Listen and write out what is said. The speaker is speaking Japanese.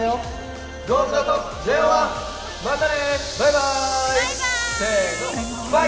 バイバイ。